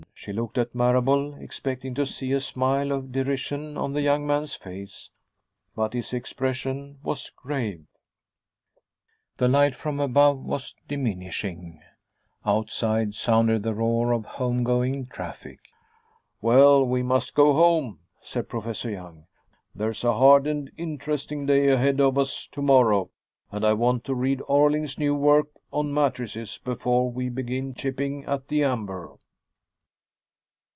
She looked at Marable, expecting to see a smile of derision on the young man's face, but his expression was grave. The light from above was diminishing; outside sounded the roar of home going traffic. "Well, we must go home," said Professor Young. "There's a hard and interesting day ahead of us to morrow, and I want to read Orling's new work on matrices before we begin chipping at the amber."